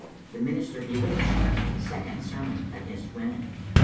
THE MINISTER BfiWITCH ED— SECOND SERMON AGAINST WOMEN.